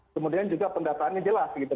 kemudian juga pendataannya jelas gitu